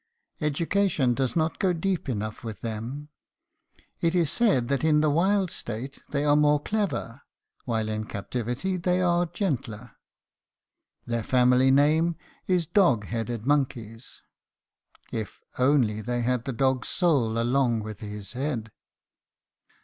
Education does not go deep enough with them. It is said that in the wild state they are more clever; while in captivity they are gentler. Their family name is 'dog headed monkeys.' If they only had the dog's soul along with his head!"